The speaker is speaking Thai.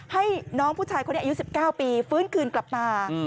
ให้น้องผู้ชายคนนี้อายุ๑๙ปีฟื้นคืนกลับมา